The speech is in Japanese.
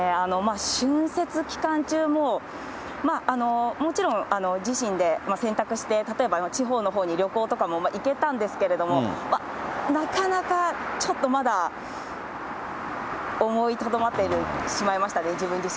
春節期間中も、もちろん自身で選択して、例えば地方のほうに旅行とかも行けたんですけど、なかなかちょっとまだ思いとどまってしまいましたね、自分自身。